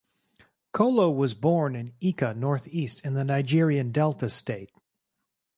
Koko was born in Ika North East in the Nigerian Delta State.